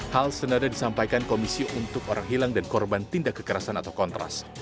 hal senada disampaikan komisi untuk orang hilang dan korban tindak kekerasan atau kontras